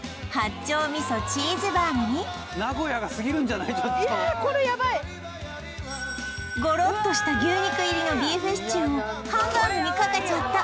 ちょっとゴロッとした牛肉入りのビーフシチューをハンバーグにかけちゃった